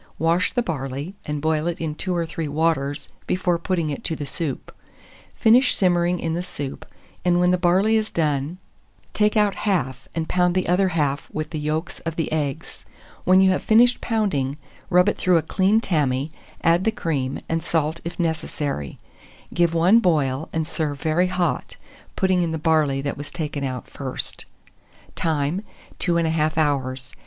Wash the barley, and boil it in 2 or 3 waters before putting it to the soup; finish simmering in the soup, and when the barley is done, take out half, and pound the other half with the yolks of the eggs. When you have finished pounding, rub it through a clean tammy, add the cream, and salt if necessary; give one boil, and serve very hot, putting in the barley that was taken out first. Time. 2 1/2 hours.